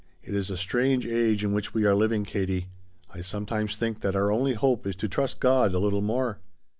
It is a strange age in which we are living, Katie. I sometimes think that our only hope is to trust God a little more."